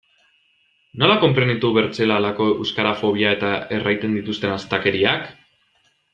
Nola konprenitu bertzela halako euskarafobia eta erraiten dituzten astakeriak?